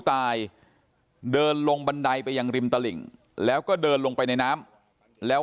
ตายเดินลงบันไดไปยังริมตลิ่งแล้วก็เดินลงไปในน้ำแล้ว